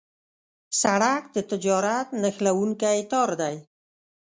سړک د تجارت نښلونکی تار دی.